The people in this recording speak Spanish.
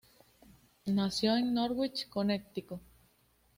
Nació en Norwich, Connecticut.